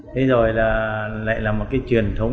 thế rồi lại là một cái truyền thống